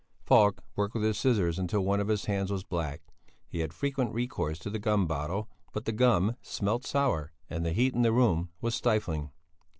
Falk worked with his scissors until one of his hands was black. He had frequent recourse to the gum bottle, but the gum smelt sour and the heat in the room was stifling.